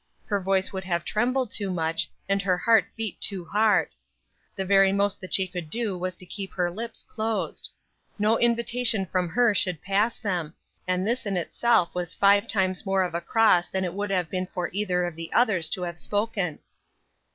Her voice would have trembled too much, and her heart beat too hard. The very most that she could do was to keep her lips closed. No invitation from her should pass them, and this in itself was five times more of a cross than it would have been for either of the others to have spoken.